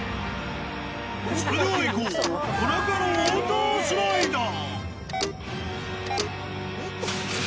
それではいこう、夜中のウォータースライダー。